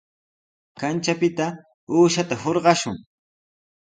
Kanchapita uushata hurqashun.